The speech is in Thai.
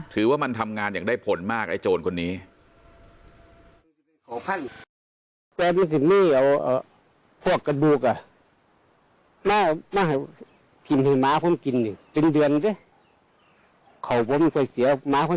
ถือว่ามันทำงานอย่างได้ผลมากไอ้โจรคนนี้